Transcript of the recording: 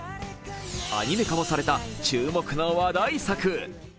アニメ化もされた注目の話題作。